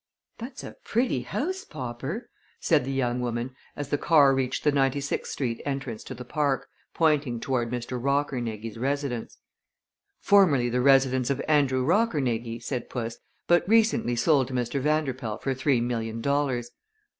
"That's a pretty house, Popper," said the young woman as the car reached the Ninety sixth Street entrance to the Park, pointing toward Mr. Rockernegie's residence. "Formerly the residence of Andrew Rockernegie," said puss, "but recently sold to Mr. Vanderpoel for three million dollars."